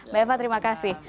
mbak eva terima kasih